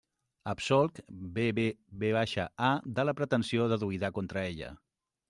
Absolc BBVA de la pretensió deduïda contra ella.